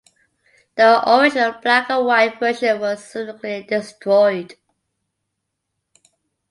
The original black-and-white version was subsequently destroyed.